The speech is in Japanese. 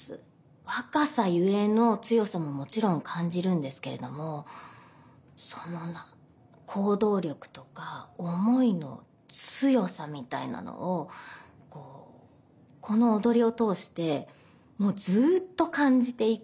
若さゆえの強さももちろん感じるんですけれどもその行動力とか思いの強さみたいなのをこうこの踊りを通してもうずっと感じていく。